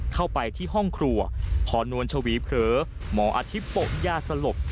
เข้าไปที่ห้องครัวพอนวลชวีเผลอหมออาทิตย์ปกยาสลบ